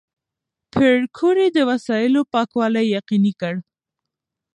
پېیر کوري د وسایلو پاکوالی یقیني کړ.